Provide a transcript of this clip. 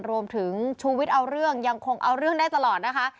ชูวิทย์เอาเรื่องยังคงเอาเรื่องได้ตลอดนะคะ